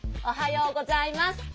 おはようございます。